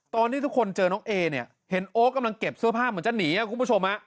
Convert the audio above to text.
ตอนที่ทุกคนเจอน้องเอเนี่ยเห็นโอ๊คกำลังเก็บเสื้อผ้าเหมือนจะหนีคุณผู้ชม